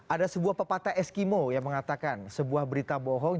ada sebuah pepatah eskimo yang mengatakan sebuah berita bohong